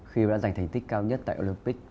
khi đã giành thành tích cao nhất tại olympic